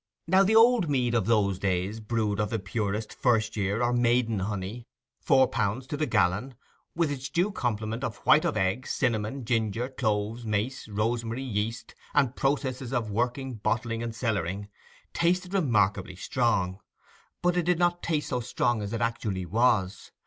Now the old mead of those days, brewed of the purest first year or maiden honey, four pounds to the gallon—with its due complement of white of eggs, cinnamon, ginger, cloves, mace, rosemary, yeast, and processes of working, bottling, and cellaring—tasted remarkably strong; but it did not taste so strong as it actually was.